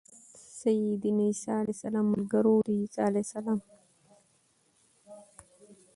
د سيّدنا عيسی عليه السلام ملګرو د عيسی علیه السلام